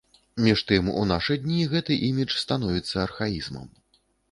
Між тым, у нашы дні гэты імідж становіцца архаізмам.